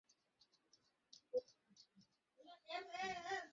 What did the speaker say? তবে গ্রামের নাম পরিবর্তন করা হয়নি।